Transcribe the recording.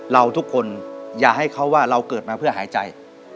เราทุกคนอย่าให้เขาว่าเราเกิดมาเพื่อหายใจ